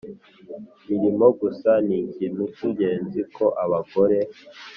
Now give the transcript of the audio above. mirimo gusa ni ikintu cy ingenzi ko abagore